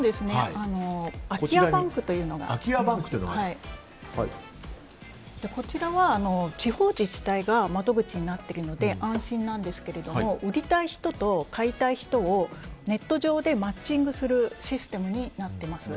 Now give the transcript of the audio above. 空き家バンクというのがありましてこちらは地方自治体が窓口になっているので安心なんですけれども売りたい人と買いたい人をネット上でマッチングするシステムになっています。